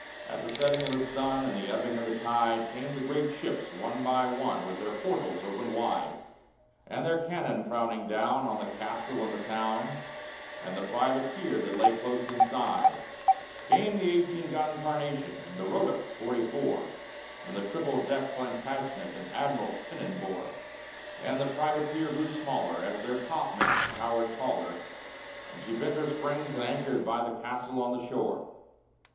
At the setting of the sun and the ebbing of the tide Came the great ships one by one, with their portals opened wide, And their cannon frowning down on the castle and the town And the privateer that lay close inside; Came the eighteen gun Carnation, and the Rota, forty four, And the triple decked Plantagenet an Admiral's pennon bore: And the privateer grew smaller as their topmasts towered taller, And she bent her springs and anchored by the castle on the shore.